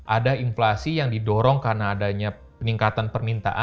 ada inflasi yang didorong karena adanya peningkatan permintaan